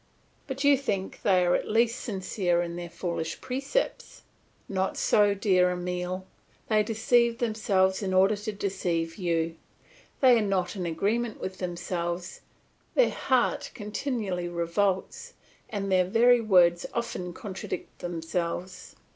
But you think they are at least sincere in their foolish precepts. Not so, dear Emile; they deceive themselves in order to deceive you; they are not in agreement with themselves; their heart continually revolts, and their very words often contradict themselves.